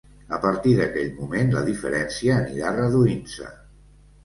A partir d'aquell moment la diferència anirà reduint-se.